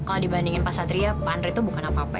iya kalau dibandingin pak satria pak andre itu bukan apa apa ya